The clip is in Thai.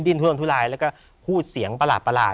ทุน้ำทุลายแล้วก็พูดเสียงประหลาดประหลาด